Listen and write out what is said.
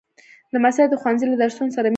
لمسی د ښوونځي له درسونو سره مینه لري.